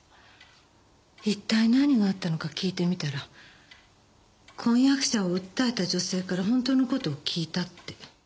一体何があったのか聞いてみたら婚約者を訴えた女性から本当の事を聞いたって。